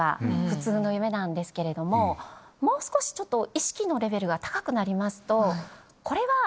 普通の夢なんですけれどももう少しちょっと意識のレベルが高くなりますと。